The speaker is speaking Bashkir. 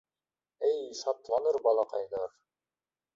Эй шатланыр балаҡайҙар!